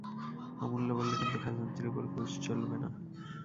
অমূল্য বললে, কিন্তু খাজাঞ্চির উপর ঘুষ চলবে না।